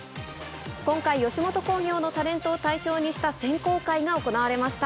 今回、吉本興業のタレントを対象にした選考会が行われました。